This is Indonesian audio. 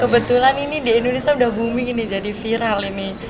kebetulan ini di indonesia udah booming ini jadi viral ini